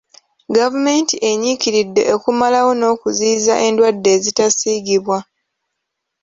Gavumenti enyiikiridde okumalawo n'okuziyiza endwadde ezitasiigibwa.